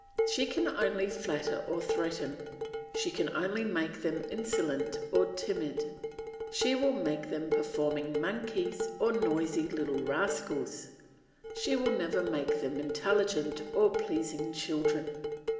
She can only flatter or threaten, she can only make them insolent or timid; she will make them performing monkeys or noisy little rascals; she will never make them intelligent or pleasing children.